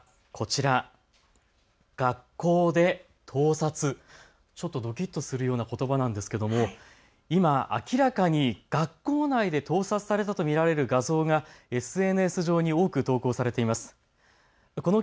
ちょっとドキッとするようなことばなんですけれども今、明らかに学校内で盗撮されたと見られる画像がＳＮＳ上に多く投稿されています。